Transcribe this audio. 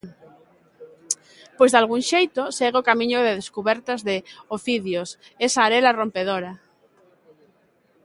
Pois dalgún xeito segue o camiño de descubertas de Ofidios, esa arela rompedora.